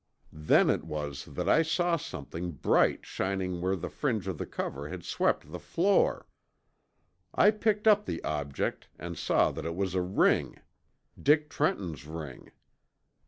Then it was that I saw something bright shining where the fringe of the cover had swept the floor. I picked up the object and saw that it was a ring, Dick Trenton's ring.